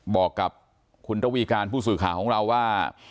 บอกกับคุณระวีการผู้สื่อข่าวของเราว่า